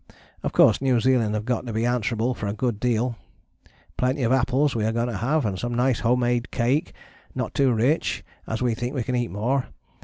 Of course New Zealand have got to be answerable for a good deal: plenty of apples we are going to have and some nice home made cake, not too rich, as we think we can eat more.